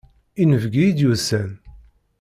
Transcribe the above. Inebgi i d-yusan.